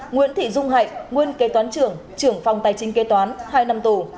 nguyễn thị dung hạnh nguyên kế toán trưởng trưởng phòng tài chính kế toán hai năm tù